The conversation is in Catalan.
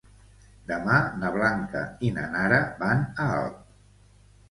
Demà na Blanca i na Nara van a Alp.